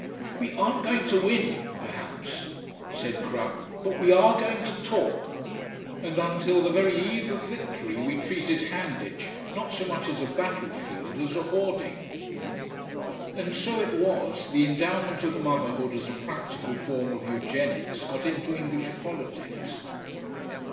"We aren't going to win, perhaps," said Crupp, "but we are going to talk." And until the very eve of victory, we treated Handitch not so much as a battlefield as a hoarding. And so it was the Endowment of Motherhood as a practical form of Eugenics got into English politics.